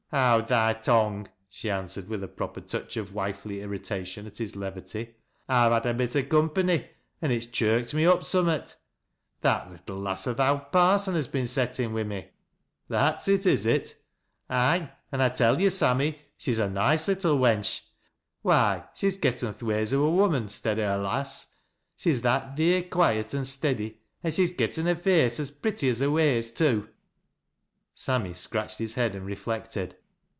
" Howd thy tongue," she answered with a proper touch of wifely irritation at his levity. " I've had a bit o' com pany an' it's chirked me up summat. That little lass o th' owd parson has been settin wi' me." "That's it, is it?" " Aye, an' I tell yo' Sammy, she's a noice little wench. Why, she's getten th' ways o' a woman, stead o' a lasis,— she's that theer quoiet an' steady, an' she's getten a face a? pretty as her ways, too." Saramy scratched his head and reflected.